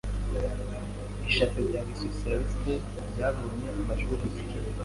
Ishyaka rya Gisosiyalisiti ryabonye amajwi gusa.